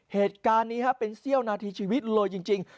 เหตุการณ์นี้เป็นเสี้ยวนาทีชีวิตเลยจริง